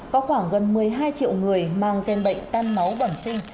có khoảng gần một mươi hai triệu người mang gen bệnh tan máu bẩm sinh